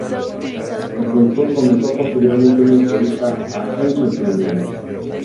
El productor comentó posteriormente en una entrevista a E!